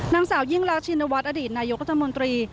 นางสาวยิ่งรักชินวัฒน์อดีตนายกรัฐมนตรี